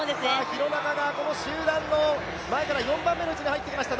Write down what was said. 廣中が集団の前から４番目の位置に入ってきました。